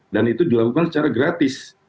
dan itu dilakukan secara gratis